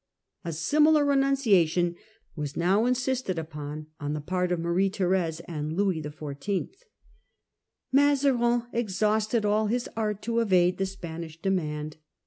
A similar re nunciation was now insisted upon on the part of Marie Therfcse and Louis XIV. Mazarin exhausted all his art to evade the Spanish demand.